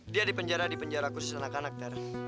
dia di penjara di penjara khusus anak anak ter